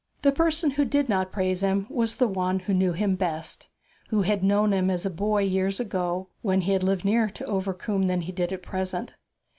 The person who did not praise was the one who knew him best, who had known him as a boy years ago, when he had lived nearer to Overcombe than he did at present.